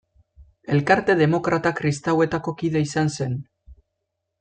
Elkarte demokrata-kristauetako kide izan zen.